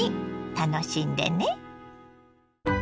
楽しんでね。